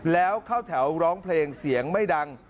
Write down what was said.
แล้วเข้าแถวร้องเพลงเสียงไม่ดัง